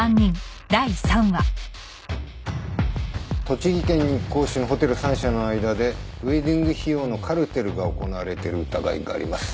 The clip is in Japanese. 栃木県日光市のホテル３社の間でウエディング費用のカルテルが行われてる疑いがあります。